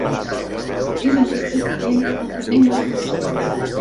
És un procediment altament especialitzat.